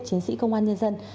chiến sĩ công an nhân dân